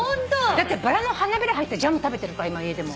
だってバラの花びら入ったジャム食べてるから今家でも。